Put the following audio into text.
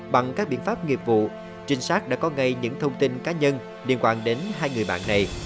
bằng các biện pháp nghiệp vụ trinh sát đã có ngay những thông tin cá nhân liên quan đến hai người bạn này